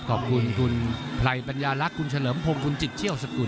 ขอบคุณคุณไพรปัญญาลักษณ์คุณเฉลิมพงศ์คุณจิตเชี่ยวสกุล